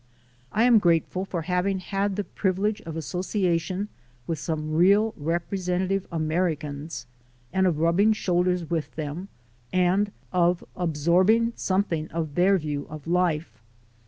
I am grateful for having had the privilege of association with some real representative Americans and of rubbing shoulders with them and of absorbing something of their view of life.